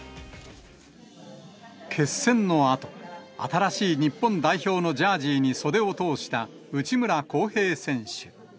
決戦のあと、新しい日本代表のジャージに袖を通した内村航平選手。